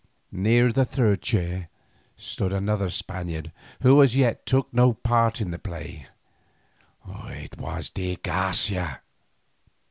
Near the third chair stood another Spaniard who as yet took no part in the play; it was de Garcia.